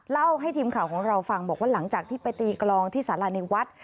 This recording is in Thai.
เล่าให้ทีมข่าวของเราฟังบอกว่าหลังจากที่ไปตีกลองที่สาราในวัด